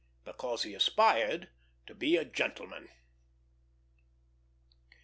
Because he aspired to be a gentleman."